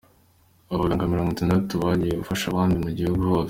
Abaganga Mirongo Itandatu bagiye gufasha abandi mu gihugu hose